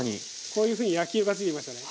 こういうふうに焼き色がついてきましたね。